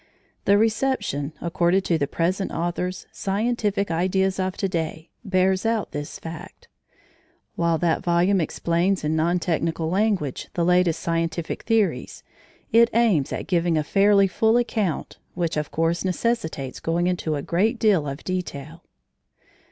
The reception accorded to the present author's Scientific Ideas of To day bears out this fact. While that volume explains, in non technical language, the latest scientific theories, it aims at giving a fairly full account, which, of course, necessitates going into a great deal of detail.